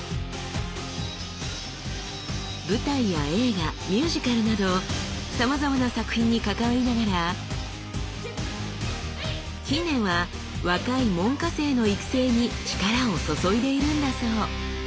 舞台や映画ミュージカルなどさまざまな作品に関わりながら近年は若い門下生の育成に力を注いでいるんだそう。